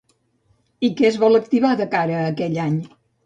I què es vol activar de cara a aquell any?